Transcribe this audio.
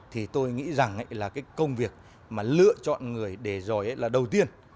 thì tôi nghĩ rằng là cái công việc mà lựa chọn người để rồi là đầu tiên